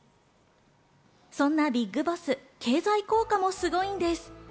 そんなビッグボス、経済効果もすごいんです。